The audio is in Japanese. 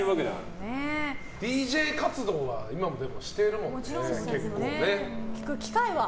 ＤＪ活動は今でもしてるもんね、結構。